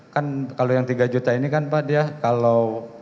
kan kalau yang tiga juta ini kan pak dia kalau